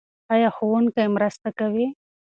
ایا ښوونکی مرسته کوي؟